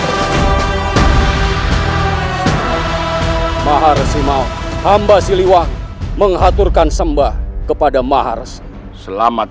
jangan berbangga dengan apa yang kau capai